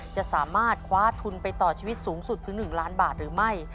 จะสามารถคว้าทุนไปต่อชีวิตสูงสุดถึง๑ล้านบาทหรือไม่